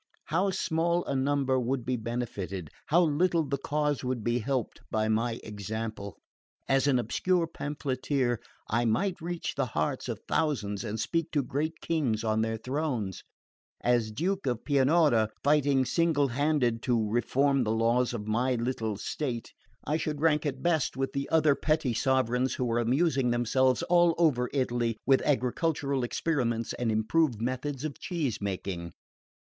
How small a number would be benefited! How little the cause would be helped by my example! As an obscure pamphleteer I might reach the hearts of thousands and speak to great kings on their thrones; as Duke of Pianura, fighting single handed to reform the laws of my little state, I should rank at best with the other petty sovereigns who are amusing themselves all over Italy with agricultural experiments and improved methods of cheese making."